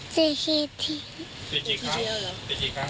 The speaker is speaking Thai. เตะกี่ที